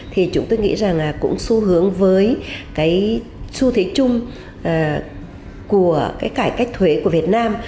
thì chúng tôi nghĩ rằng cũng xu hướng với cái xu thế chung của cái cải cách thuế của việt nam